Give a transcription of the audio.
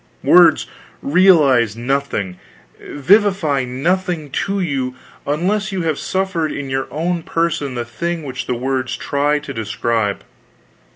Words realize nothing, vivify nothing to you, unless you have suffered in your own person the thing which the words try to describe.